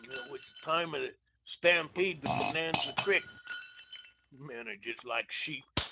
It was the time of the stampede to Bonanza Creek. Men are just like sheep.